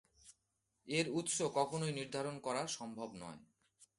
এর উৎস কখনোই নির্ধারণ করা সম্ভব নয়।